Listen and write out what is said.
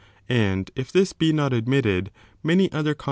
And if this be not admitted, many other con 4.